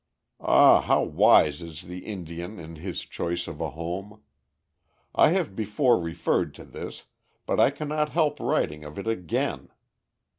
Ah! how wise is the Indian in his choice of a home. I have before referred to this, but I cannot help writing of it again.